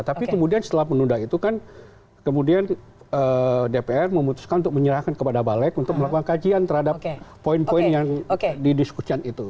tapi kemudian setelah menunda itu kan kemudian dpr memutuskan untuk menyerahkan kepada balik untuk melakukan kajian terhadap poin poin yang didiskusikan itu